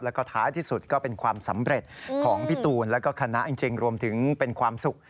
แล้วก็ท้ายที่สุดก็เป็นความสำเร็จของพี่ตูนแล้วก็คณะจริงรวมถึงเป็นความสุข